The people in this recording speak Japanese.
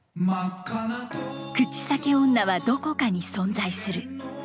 口裂け女はどこかに存在する。